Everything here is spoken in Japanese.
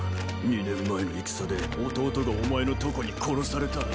二年前の戦で弟がお前のとこに殺された。